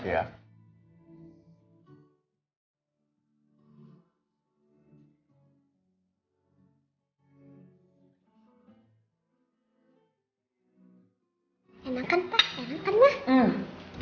suapan pertama mbak mbak